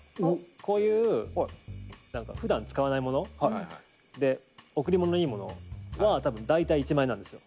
こういうなんか普段使わないもので贈り物にいいものは大体１万円なんですよ。